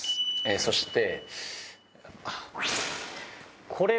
そして。